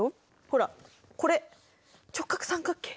ほらこれ直角三角形。